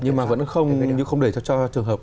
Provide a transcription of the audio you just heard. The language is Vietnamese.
nhưng mà vẫn không để cho trường hợp